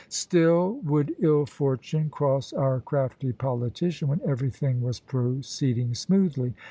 Still would ill fortune cross our crafty politician when everything was proceeding smoothly.